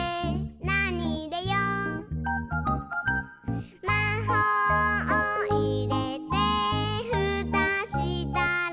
「なにいれよう？」「まほうをいれてふたしたら」